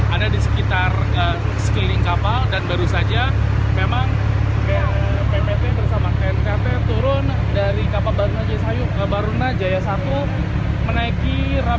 ada di sekitar sekeliling kapal dan baru saja memang bppt bersama knkt turun dari kapal baruna jaya i